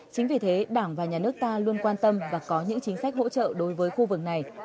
chính vì thế đảng và nhà nước ta luôn quan tâm và có những chính sách hỗ trợ đối với khu vực này